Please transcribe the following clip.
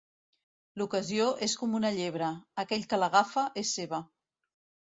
L'ocasió és com una llebre: aquell que l'agafa, és seva.